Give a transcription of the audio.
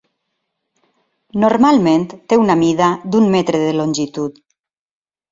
Normalment té una mida d'un metre de longitud.